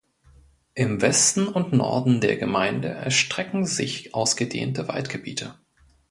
Im Westen und Norden der Gemeinde erstrecken sich ausgedehnte Waldgebiete.